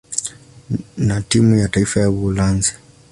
na timu ya taifa ya Uholanzi.